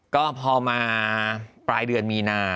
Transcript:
ก็พอมาปลายเดือนมีนา